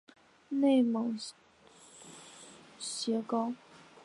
内蒙邪蒿